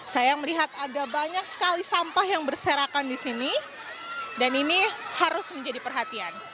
saya melihat ada banyak sekali sampah yang berserakan di sini dan ini harus menjadi perhatian